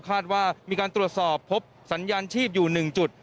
คาดว่ามีการตรวจสอบพบสัญญาณชีพอยู่๑จุด